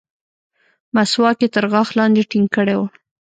مسواک يې تر غاښ لاندې ټينګ کړى و.